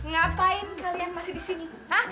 ngapain kalian masih di sini